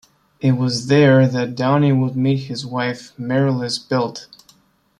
It was there that Downey would meet his wife Marilys Belt.